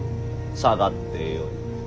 下がってよい。